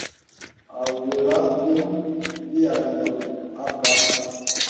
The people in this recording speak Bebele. Awɔlə̀ bìom bì ànuŋ àbə̀.